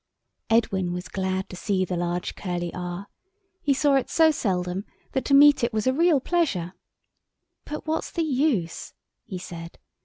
Edwin was glad to see the large curly R. He saw it so seldom that to meet it was a real pleasure. "But what's the use?" he said.